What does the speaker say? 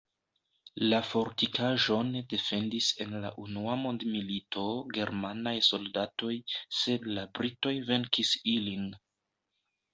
La fortikaĵon defendis en la unua mondmilito germanaj soldatoj, sed la britoj venkis ilin.